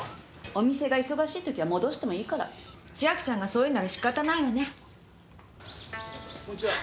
お店が忙しい時は戻してもいいから千晶ちゃんがそういうならしかたないわねこんにちは！